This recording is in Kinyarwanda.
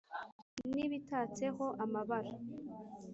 n’ibitatseho amabara